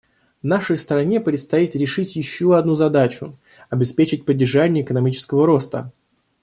Нашей стране предстоит решить еще одну задачу — обеспечить поддержание экономического роста.